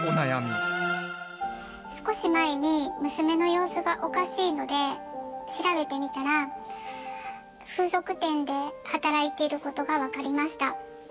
少し前に、娘の様子がおかしいので調べて見たら風俗店で働いてることが分かりました。